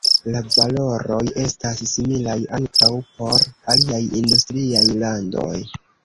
La valoroj estas similaj ankaŭ por aliaj industriaj landoj.